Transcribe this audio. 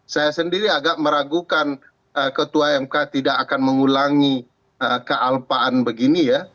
saya sendiri agak meragukan ketua mk tidak akan mengulangi kealpaan begini ya